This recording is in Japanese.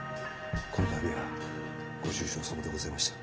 この度はご愁傷さまでございました。